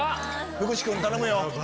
福士君頼むよ。